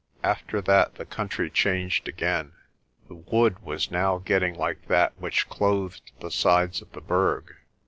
After that the country changed again. The wood was now getting like that which clothed the sides of the Berg.